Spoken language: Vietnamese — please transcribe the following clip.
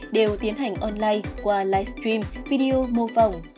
đều tiến hành online qua livestream video mô phỏng